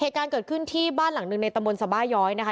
เหตุการณ์เกิดขึ้นที่บ้านหลังหนึ่งในตำบลสบาย้อยนะคะ